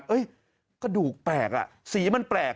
เฮ้ยกระดูกแปลกสีมันแปลก